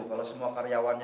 kalau semua karyawannya